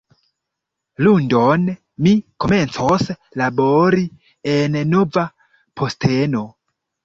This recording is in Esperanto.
Lundon, mi komencos labori en nova posteno